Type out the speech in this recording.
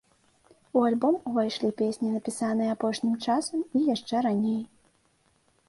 У альбом увайшлі песні, напісаныя апошнім часам і яшчэ раней.